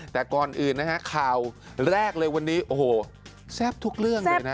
แต่ก่อนอื่นนะฮะข่าวแรกเลยวันนี้โอ้โหแซ่บทุกเรื่องเลยนะ